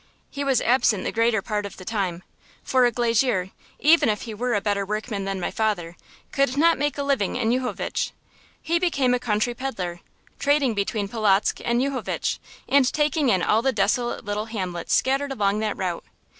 He was absent the greater part of the time; for a glazier, even if he were a better workman than my grandfather, could not make a living in Yuchovitch. He became a country peddler, trading between Polotzk and Yuchovitch, and taking in all the desolate little hamlets scattered along that route.